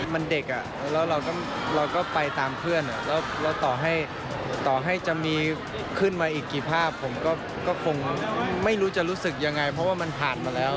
มันเด็กอ่ะแล้วเราก็ไปตามเพื่อนแล้วต่อให้ต่อให้จะมีขึ้นมาอีกกี่ภาพผมก็คงไม่รู้จะรู้สึกยังไงเพราะว่ามันผ่านมาแล้ว